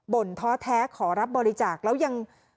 ่นท้อแท้ขอรับบริจาคแล้วยัง